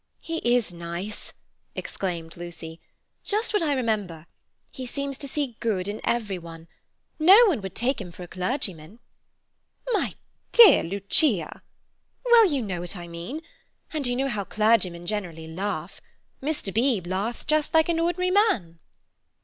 "He is nice," exclaimed Lucy. "Just what I remember. He seems to see good in everyone. No one would take him for a clergyman." "My dear Lucia—" "Well, you know what I mean. And you know how clergymen generally laugh; Mr. Beebe laughs just like an ordinary man."